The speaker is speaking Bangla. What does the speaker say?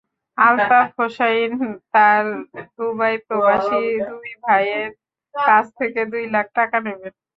আলতাফ হোসাইন তাঁর দুবাইপ্রবাসী দুই ভাইয়ের কাছ থেকে দুই লাখ টাকা নেবেন।